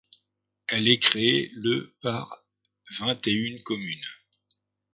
Elle est créée le par vingt-et-une communes.